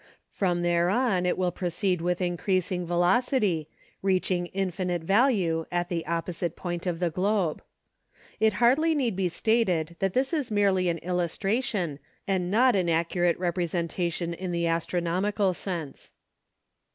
From there on it will proceed with increasing velocity, reaching infinite value at the op posite point of the globe. It hardly need be stated that this is merely an illustration and not an accurate representation in the astronomical sense.